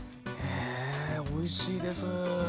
へえおいしいです。